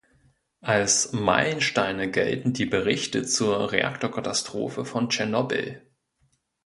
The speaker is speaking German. Als Meilensteine gelten die Berichte zur Reaktorkatastrophe von Tschernobyl.